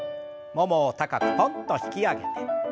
ももを高くポンと引き上げて。